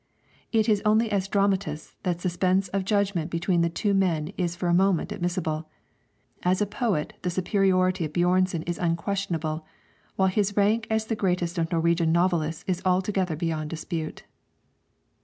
It is only as dramatists that suspense of judgment between the two men is for a moment admissible; as a poet the superiority of Björnson is unquestionable, while his rank as the greatest of Norwegian novelists is altogether beyond dispute.